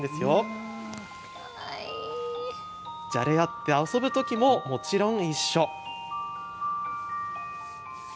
じゃれ合って遊ぶ時ももちろん一緒。